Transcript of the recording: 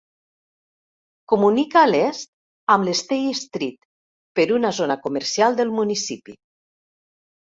Comunica a l'est amb State Street per una zona comercial del municipi.